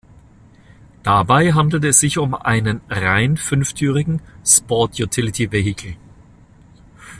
Dabei handelt es sich um einen rein fünftürigen Sport Utility Vehicle.